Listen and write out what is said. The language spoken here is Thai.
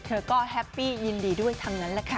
เธอก็แฮปปี้ยินดีด้วยทั้งนั้นแหละค่ะ